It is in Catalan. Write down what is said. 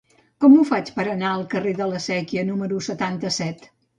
Com ho faig per anar al carrer de la Sèquia número setanta-set?